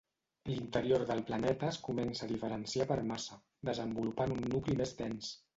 L'interior del planeta es comença a diferenciar per massa, desenvolupant un nucli més dens.